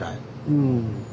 うん。